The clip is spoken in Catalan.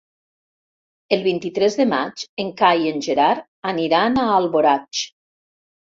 El vint-i-tres de maig en Cai i en Gerard aniran a Alboraig.